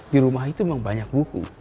di rumah itu memang banyak buku